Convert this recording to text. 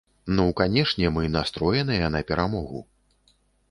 Ну, канешне, мы настроеныя на перамогу!